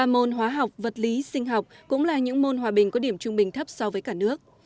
ba môn hóa học vật lý sinh học cũng là những môn hòa bình có điểm trung bình thấp so với cả nước